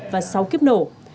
và sáu kiếp nổ